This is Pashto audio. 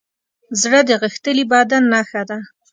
زړه د غښتلي بدن نښه ده.